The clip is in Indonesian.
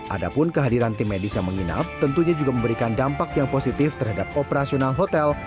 adapun kehadiran tim medis yang menginap tentunya juga memberikan dampak yang positif terhadap operasional hotel